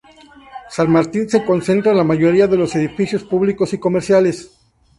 San Martín se concentra la mayoría de los edificios públicos y comerciales.